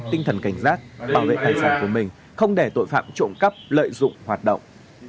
tinh thần cảnh giác bảo vệ tài sản của mình không để tội phạm trộm cắp lợi dụng hoạt động